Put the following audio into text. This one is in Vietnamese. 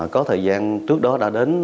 có thời gian trước đó đã đến